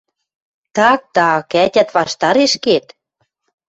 Так, так... ӓтят ваштареш кет?